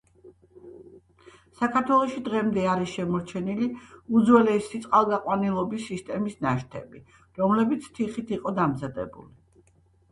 საქართველოში დღემდე არის შემორჩენილი უძველესი წყალგაყვანილობის სისტემის ნაშთები, რომლებიც თიხით იყო დამზადებული.